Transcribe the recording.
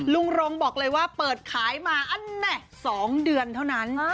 รงบอกเลยว่าเปิดขายมาอันไหน๒เดือนเท่านั้น